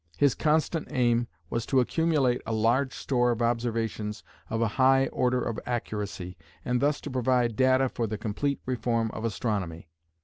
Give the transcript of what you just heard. His constant aim was to accumulate a large store of observations of a high order of accuracy, and thus to provide data for the complete reform of astronomy.